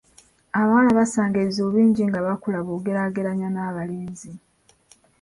Abawala basanga ebizibu bingi nga bakula bw'ogeraageranya n'abalenzi.